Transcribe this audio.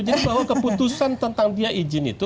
jadi bahwa keputusan tentang dia izin itu